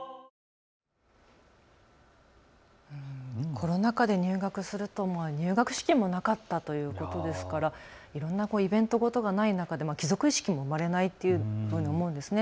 コロナ禍で入学すると入学式もなかったということですから、いろんなこうイベント事がない中で帰属意識も生まれないっていうふうに思うんですね。